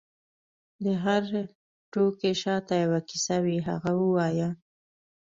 د هر توکي شاته یو کیسه وي، هغه ووایه.